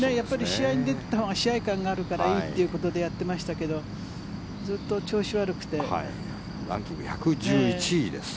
試合に出たほうが試合勘があるからいいということでやってましたけどランキング１１１位です。